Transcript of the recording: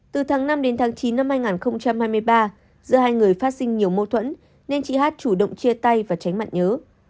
từ tháng năm đến tháng chín năm hai nghìn hai mươi ba giữa hai người phát sinh nhiều mâu thuẫn nên chị hát chủ động chia tay và tránh mặn nhớ